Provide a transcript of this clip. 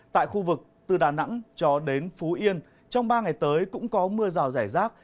tại khu vực từ đà nẵng cho đến phú yên trong ba ngày tới cũng có mưa rào rải rác